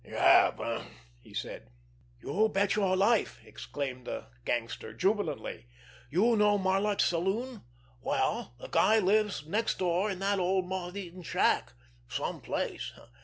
"You have—eh?" he said. "You bet your life!" exclaimed the gangster jubilantly. "You know Marlot's saloon? Well, the guy lives next door in that old motheaten shack. Some place!